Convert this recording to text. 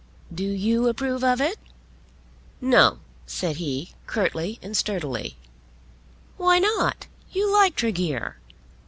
"Do you approve of it?" "No," said he curtly and sturdily. "Why not? You like Tregear."